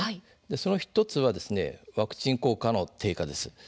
その１つはワクチン効果の低下です。